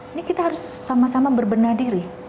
ini kita harus sama sama berbenah diri